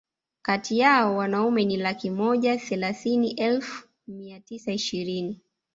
kati yao Wanaume ni laki moja thelathini elfu mia tisa ishirini